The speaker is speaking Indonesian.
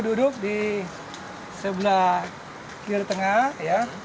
duduk di sebelah kiri tengah ya